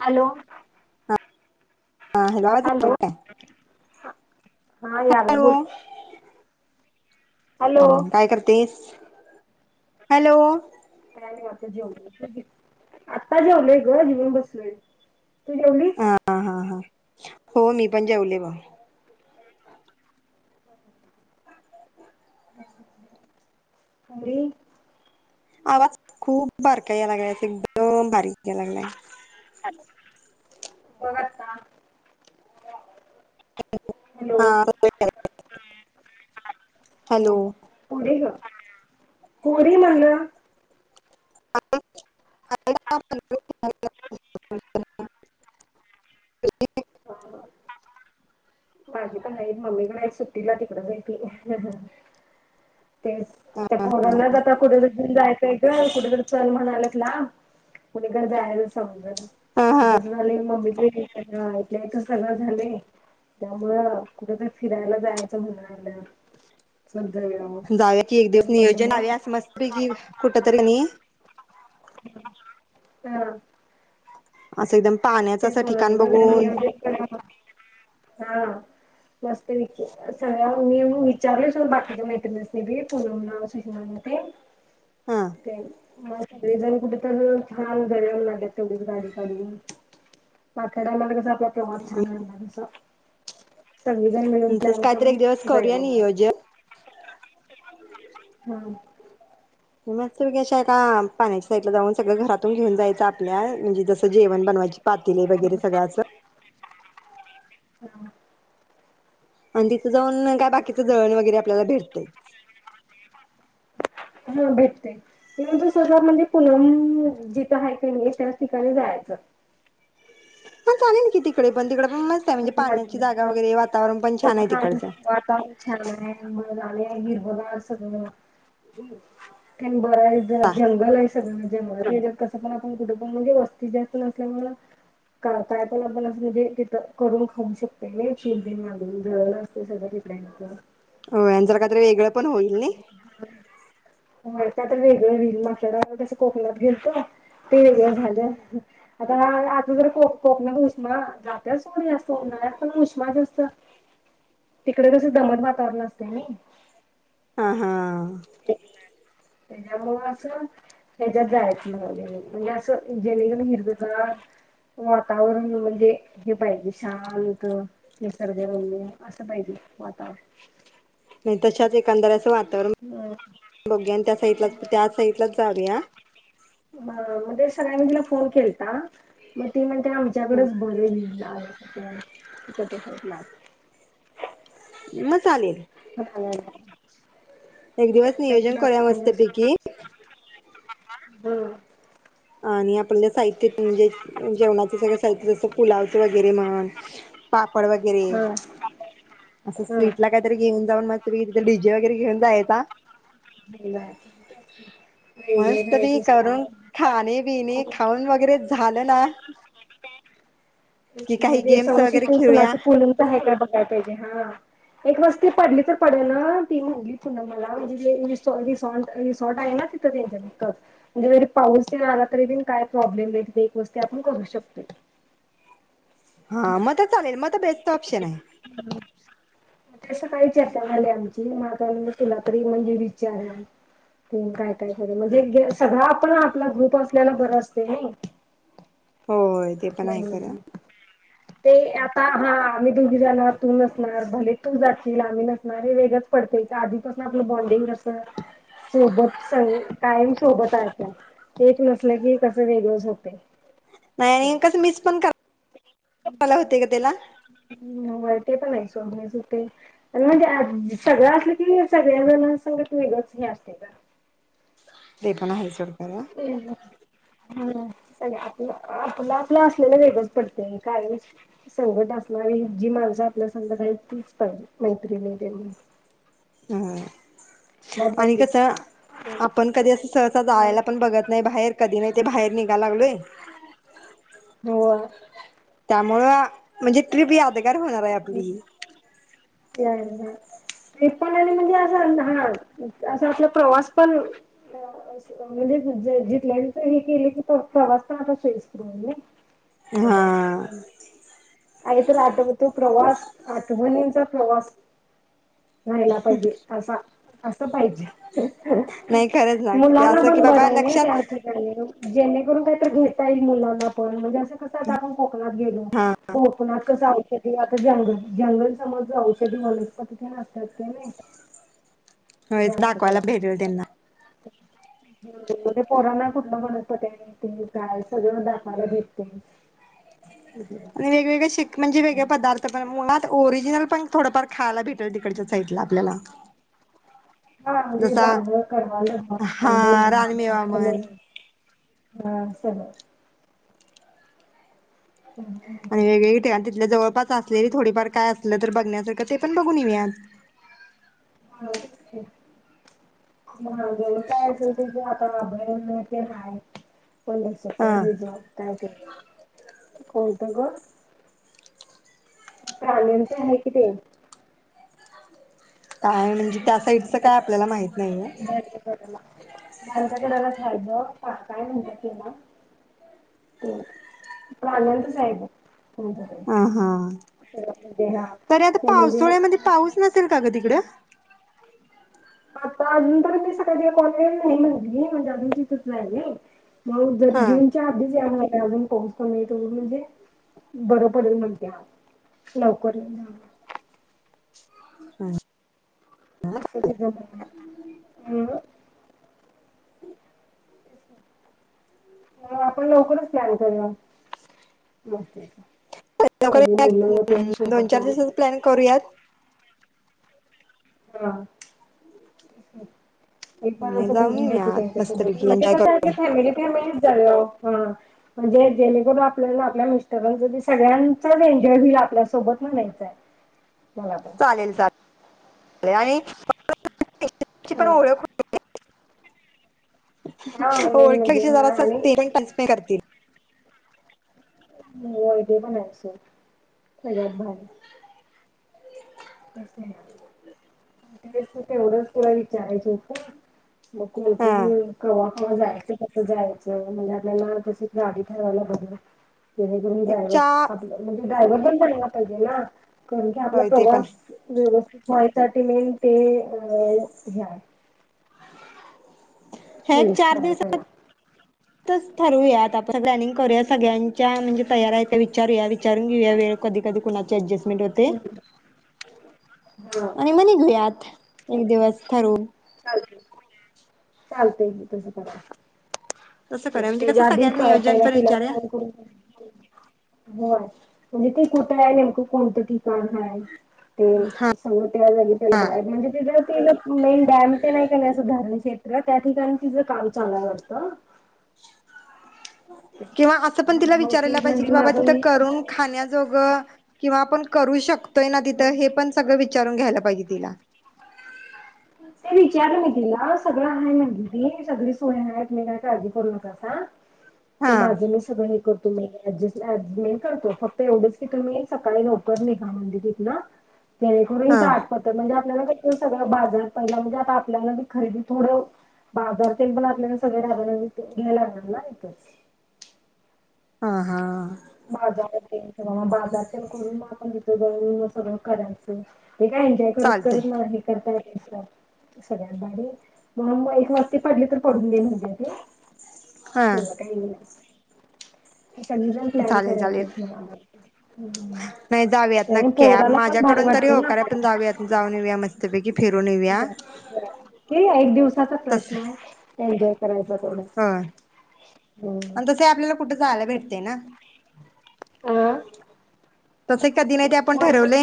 Hello. हा hello आज [unintelligible] राज हा याला. बोल हॅलो काय करतेस? हॅलो. का म आता जेवल ग जेवून बसलोय तू जेवलीस? हो मी पण जेवले ब अी [unintelligible] आवाज खूप बारीक याय लागलाय एकदम बारीक याय लागलाय. बघता. हा. [unintelligible] हॅलो हम्म पुढे ग फोडीन म्हणलं. [unintelligible] ह माझी पण नाहीत मम्मीकड आहित सुट्टीला तिकडच आहीत ती. तेच ते पोरनाच [unintelligible] जाता कुठे तरी जायचंय का कुठ तर चल म्हणाल्यात लांब कुणीकड जायाच हा हा समजना [unintelligible] झाले मम्मी नाही तुझं सगळं झालंय त्यामुळं कुठ तरी फिरायला जायचं म्हणाल्यात. जाऊया कि एक दिवस नियोजन लावूया अस मस्तपैकी कुठतरीकणी हा असं एकदम [unintelligible] पाण्याचं असं ठिकाण बघून नियोजन करन हा मस्तपैकी सगळ्या मी मी विचारले सुद्धा बाकीच्या मैत्रिणीसनी [unintelligible] ते हा ते म सगळीजण कुठ तर छान जाऊया म्हणालेत तेवढीच गाडी काढून [unintelligible] कस आपला प्रवास छान होणार आस सगळीजण मिळून तसंच प्लॅन काहीतरी करून एक दिवस जाऊया करूया महाणलो नियोजन हू तुम्हा [unintelligible] पाण्याची साईटला जाऊन सगळ घरातून घेवून जायचं आपल्या म्हणजे जसं जेवण बनवायची पातीले वगैरे सगळ आस हा आणि ती थ जाऊन काय तेच बाकीचं जळण की वगैरे आपल्याला भेटंतय [inaudible] हा भेटतय [unintelligible] म्हणजे पुनम जिथ हायकणी त्याच ठिकाणी जायाचं हा चालेल कि तिकडे पण कड आजूबाजूला पण [unintelligible] छान आहे तिकडचं. वातावरण छान हाय म्हणाले हिरवगार सगळं बर आहे जंगल आहे स म्हणजे रेल्वेत कस पण आपण कुठे पण म्हणजे वस्ती जास्त नसल्यामुळे करता येत आपण आसं म्हणजे तिथं करून खाऊ शकते नी [unintelligible] जळन असतय सगळ जिथल्या इथं होय आणि जरा काय तरी वेगळं पण होईल नि काय तरी वेगळं होईल मागच्या वेळेस कस कोकणात गेलतो ते वेगळ झालं आता आता जर को कोकणात उष्मा जातय सोड हे आस उन्हाळ्यात पण उष्मा जास्त असत तिकडे जस दमट वातावरण असतय नी हा, हा [inaudible] त्याच्यामुळं असं हेज्यात जायचं न म्हणजे असं जेणेकरून हिरवगार वातावरण म्हणजे हे पाहिजे शांत निसर्गरम्य असं पाहिजे वातावरण नाही तशाच एकांंदराचं वाट तर बघूया त्या साईला त्या साइडलाच जाऊया. ह मध्ये सगळ्यांनी तिला फोन केलता मग ती म्हण ते आमच्याकडेच बरे ल अस त तू ना मग चालेल, एक दिवस त्या नियोजन साईडलाच करुया म्हणजे मस्तपैकी हम. आणि आपण ज्या साहित म्हणजे जेवणाचं सगळं साहित्य जसं पुलावचं वगैरे म्हण, पापड वगैरे हं असं स्वीट ला काहीतरी घेऊन जाऊन [unintelligible] डीजे वगैरे घेऊन जायचा. एन्जॉय एन्जॉय मस्त पैकी करायचचं का? करून खाणे, पिणे खाऊन वगैरे झालं ना कि काही म्हणजे, गेम्स वगैरे खेळूया [unintelligible] पोरींच हायं का बघायचं? हा एक वस्ती पडली तर पडे न ती म्हणली पुनम मला म्हणजे, रिसॉ- रिसॉर्ट आहे ना तिथं त्यांच्या तिथं म्हणजे जरी पाऊस आला तरी, काय प्रॉब्लेम नाही तिथे एक वस्ती आपण करू शकतोय. हा, मग तर चालेल, मग तर बेस्ट ऑप्शन आहे. ते सकाळी चर्चा झाली, आमची म आता तिला तरी म्हणजे विचारान की काय? [unintelligible] म्हणजे एकद सगळा आपण आपला ग्रुप असलेला बरा असतोय नाई? हो होय ते पण आहे खरं ते आता हां आम्ही दोघी जाणार तू नसणार भले तू जाशील आम्ही नसणार हे वेगळंच पडतंय गं आधीपासनं आपलं बॉन्डिंग कसं सोबत सई कायम सोबत असणार एक नसलं की कसं वेगळच होतंय. नाही आणि कसं मिस पण कर [unintelligible] हुतंय गं त्याला [inaudible] हम्म होय ते पण आहे सोडलेच होते आणि म्हणजे आद सगळं असलं की सगळ्याजणांसोबत वेगळंच हे असतंय गं ते पण आहे सोड. होय गं. [unintelligible] आपलं आपलं असलेलं वेगळच पडतंय कायम सोबत असणारी जी माणसं आपल्या संगट आहेत तीच पाहिजे मैत्रिणी तेन. [unintelligible] आणि कसं आपण कधी अस सहसा ह जायाला पण बघत नाही बाहेर कधी नाही ते बाहेर निघाय लागलोय होय होय. त्यामुळ म्हणजे ट्रीप या दगार होणार आहे आपली. ते पण आणि म्हणजे असं [unintelligible] असं आपला प्रवास पण अ अस म्हणजे [unintelligible] हे केलं की प प्रवास पण आता सोईस्कर होऊन जाईल. हा.... आणि तुला आठवतो तो प्रवास, आठवणींचा प्रवास. राहिला पाहिजे असा. असं पाहिजे. नाही खरंच ना मुलांना असं की पण बरं बाबा आहे नाही लक्षात त्या ठिकाणी जेणेकरून काही तरी घेता येईल मुलांना पण म्हणजे असं कसं आता आपण. तवा गेलो कोकनाथ कसाव शेती जंगल जंगल समोर जे औषधी वनस्पती ते असतात ते नाही जास्त दाखवायला भेटेल त्यांना प परा ना कुठलं म्हण पी काय सगळं दाखयला भेटतय ह आणि वेगवेगळे शिक म्हणजे वेगळे पदार्थ पण उन्हात ओरि... दिराला पण थोडफार खायाला भेट.... तिकडला आपल्याला [unintelligible] हा जसा हा रानमेवा म्हण सले आणि वेगळी त्या तिथंल्या जवळपास सासलेला थोडीफार काय असल तर बघण्यासारखं ते पण बघून येऊयात. हा ह जवळ काय असेल त्याचे हाताला अभयन ते हाय. पधरस ते हा हेजऊ त्याके कोणत ग प्राण्यांच हाय कि ते. काय म्हणजे त्या साईडच काय आपल्याला माहित नाहीये. झाझ काय म्हणतात तेव्हा ते प्राण्यांचं आहे बघ. कोणतं तरी अ हा, शहरामध्ये हा तर आता ते म्हणजे पावसाोळ्यामध्ये पाऊस नसेल का ग तिकडं? आता अजून तर मी सकाळच्या कॉलेज नायी म्हणली, म्हणजे अजून तिथंच राहिली. मग जरी हा जूनच्या आधीच या बाई. अजून पाऊस पण नाही म्हणजे बरं पडेल म्हणत्या, लवकर येऊन जा. अस सगळं जाईना. अ म आपण लवकरच प्लॅन करु या लवकरात दोन चार दिवसाचा प्लॅन करूयात. हा. एक पण नाही असं जाऊन बोरिंग होत येऊयात त्यांच्यासोबत मस्तपैकी म्हणजे एन्जॉय कसं करू की फॅमिली फॅमिली हॅलो हा म्हणजे जेणेकरून आपल्याला आपल्या मिस्टरांच सगळ्यांचाच एन्जॉय होईल आपल्यासोबत म्हणायचाय चालेल चाले आणि पण ओळख हा हा मेन ओळखलं म्हणजे की जरा हा आणि ते टचपी करती हा ते पण आहे सर सगळ्यात भारी स ते तेवढंच तुला विचारायचं होतं मग कोण हा कोण कव्हा कव्हा जायचं कसं जायचं म्हणजे आपल्याला तशी गाडी ठरावायला बर जेणेकरून एक ड्रायव्हर चा आपल म्हणजे ड्रायव्ह पण पहिजे ना कारण की आपला होय ते पण प्रवास व्यवस्थित व्हायसाठी मेन ते अ हे आहे ह एक चार सोयीस्कर आहे पहिला. दिवसातच ठरूयात आपण प्लॅनिंग करूया सगळ्यांच्या म्हणजे तयार आहेत त्या विचारू या विचारून घेऊ या वेळ कधी कधी कुणाची अऍडजस्टमेंट होते. हा आणि मग निघुया अथ एक दिवस ठरू चालतय की तस करायच तसं करूया म्हणजे त्याच्या कसं आधी सगळ्यांना नियोजन पहिले पण तिला विचारूया कॉल करू ह म्हणजे ती कुठ आहे नेमकं कोणतं ठिकाण हाय ते हा सगं तयार झाली त्याला हा बाहेर म्हणजे तिकडे ते मेन डॅम ते नाही का असं धारणशेत त्या ठिकाणी तिचं काम चालुय वाटतं. किंवा असं पण तिला मग ती विचारायला पाहिजे म्हणली कि बाबा माझं तिथं करून खाण्याजोगं किंवा आपण करू शक तोय ना तिथ हे, पण सगळ विच विचारून घ्यायला पाहिजे तिला ते विचारल मी तिला सगळं आहे म्हणली. सगळी सोय आहे. तुम्ही काय काळजी करू नकोसा ते हा माझं मी सगळं मी करते. मी ऍडजेस्टमेंट करतो फक्त एवढेच की तुम्ही सकाळी लवकर निघा म्हणजे तिथन जणेकरून हा आठपातोर म्हणजे सगळं बाजार पहिला म्हणजे आता आपल्यालाी खरेदी थोडं बाजार ते पण आपल्याला सगळे रा घ्यायला लागणार इथच ह हा माझावर म [unintelligible] [unintelligible] म सगळं करायचं [unintelligible] हे काय एन्जॉय करत चालतंय करत मला हे करताय. सगळ्यभारी म्हणून मग‌ एक वस्ती पडली तर पडून देन म्हणताय हा तो. [unintelligible] अचछा [inaudible] प्लॅन चालेल चालेल करवतेस म नाही जाऊयात नक्की आप पोराला पण भारी माझ्याकडून तरी वाटेल ना होकार आहे आपल्या पण जाऊयात जाऊन येऊया मस्तपैकी फिरून येऊया एक दिवसाचा प्रश्न आहे. ह बराय [unintelligible] ह आणि तस ही आपल्याला कुठे जायाला भेटते ना, आ तसे कधी नाही, ते आपण ठरवले.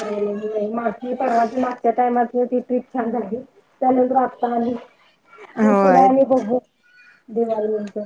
ठरवले होय मागच्या, परवाच्या, मागच्या टायमात म ती ट्रिप छान झाली. त्यानंतर आता आली, मग पुढे होय आली बघू, दिवाळी नंतर.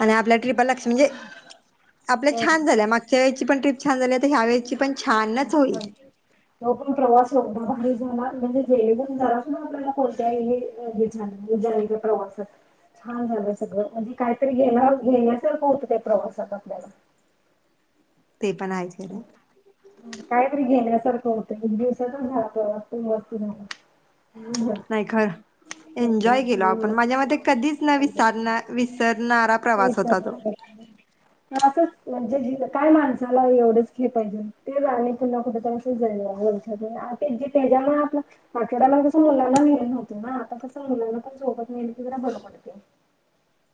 आणि आपल्या ट्रीपा लक्ष्य म्हणजे आपल्या छान झाल्या मागच्या वेल पण ट्रीप छान झाली. आता ह्यावेळेची पण प्रवास एवढा भारी झाला म्हणजे झेलेून झाला आपल्याला कोणत्याही झालं प्रवासात छान झालं सगळं म्हणजे कायतरी घेण्या घेण्यासारखं होत त्या प्रवासात आपल्याला ते पण आहे खरं कायतरी घेण्यासारखे होत एक दिवसातच राहतो वस्ती नाही खर एन्जॉय केल आपण, हम्म. माझ्या मते कधीच ना विसर विसरणारा प्रवास होता तो असंच म्हणजे [unintelligible]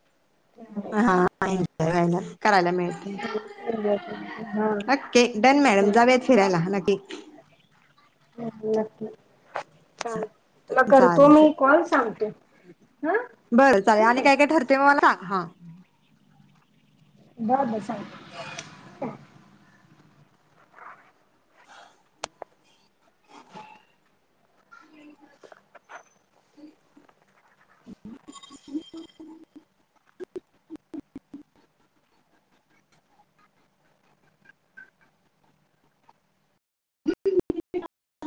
हा हायला [inaudible] करायला मिळते. ओके डन ते पण मॅडम, जाऊयात फिरायला नक्की. हा नक्की. चाल, तुला करतो चालेल मी कॉल सांगतो हा, बरं चालेल ठेऊ आणि काय? ठरते मग मला सांग हा बर बर हा त अटठड ण [unintelligible]